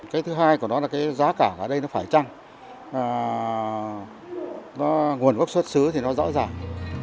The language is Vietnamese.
cái thứ hai của nó là cái giá cả ở đây nó phải trăng nó nguồn gốc xuất xứ thì nó rõ ràng